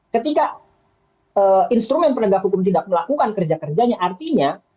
ketika instrumen penegak hukum tidak melakukan kerja kerjanya artinya